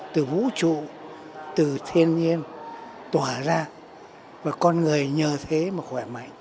từ vũ trụ từ thiên nhiên tỏa ra và con người nhờ thế mà khỏe mạnh